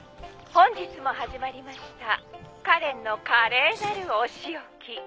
「本日も始まりました『カレンの華麗なるお仕置き』」